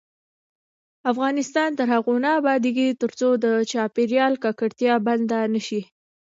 افغانستان تر هغو نه ابادیږي، ترڅو د چاپیریال ککړتیا بنده نشي.